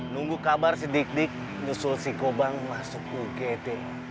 nunggu kabar si dik dik nusul si gobang masuk ugd